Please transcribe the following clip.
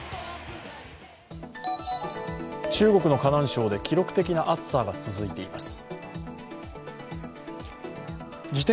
中国の河南省で記録的な暑さが続いています。